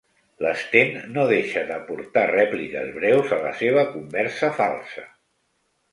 L'Sten no deixa d'aportar rèpliques breus a la seva conversa falsa.